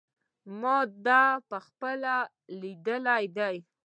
ما دا په خپله لیدلی دی.